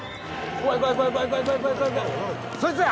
・そいつや！